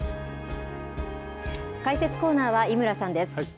解説コーナーは井村さんです。